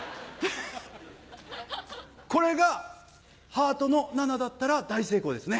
これがハートの７だったら大成功ですね。